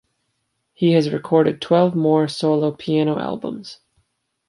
He has recorded twelve more solo piano albums.